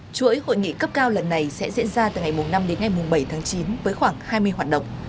chuỗi hội nghị cấp cao lần này sẽ diễn ra từ ngày năm đến ngày bảy tháng chín với khoảng hai mươi hoạt động